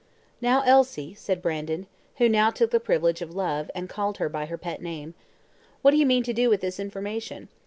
"Now, Elsie," said Brandon, who now took the privilege of love, and called her by her pet name, "what do you mean to do with this information?